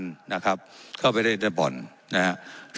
การพนันนะครับเข้าไปเล่นด้านบ่อนนะครับ